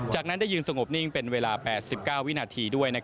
จากนั้นได้ยืนสงบนิ่งเป็นเวลา๘๙วินาทีด้วย